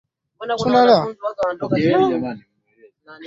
akiangazia hatua ya kuanza kuandikisha kwa wapiga kura nchini sudan